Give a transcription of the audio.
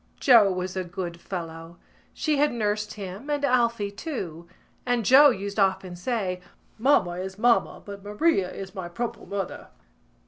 Joe was a good fellow. She had nursed him and Alphy too; and Joe used often say: "Mamma is mamma but Maria is my proper mother."